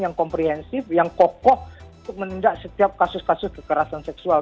yang komprehensif yang kokoh untuk menindak setiap kasus kasus kekerasan seksual